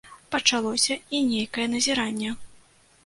Пачалося і нейкае назіранне.